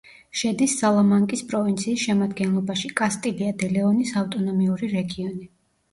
შედის სალამანკის პროვინციის შემადგენლობაში, კასტილია და ლეონის ავტონომიური რეგიონი.